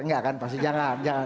nggak kan pasti jangan